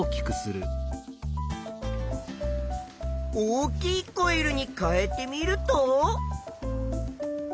大きいコイルに変えてみると。